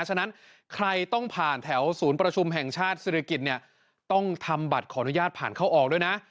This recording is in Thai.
ฉะนั้นใครต้องผ่านแถวศูนย์ประชุมแห่งชาติศิริกิจเนี่ยต้องทำบัตรขออนุญาตผ่านเข้าออกด้วยนะ